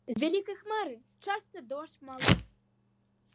З вялікай хмары часта дождж малы.